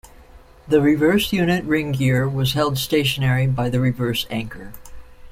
The reverse unit ring gear was held stationary by the reverse anchor.